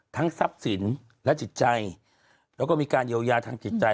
ทรัพย์สินและจิตใจแล้วก็มีการเยียวยาทางจิตใจ